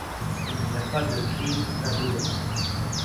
Il n'y a pas de crime là-dedans.